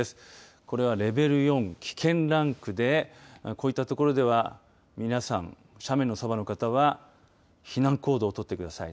これはレベル４、危険ランクでこういった所では皆さん、斜面のそばの方は避難行動を取ってください。